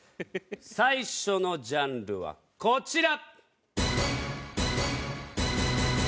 最初のジャンルはこちら！